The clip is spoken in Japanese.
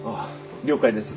了解です。